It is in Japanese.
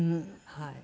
はい。